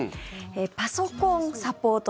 パソコンサポート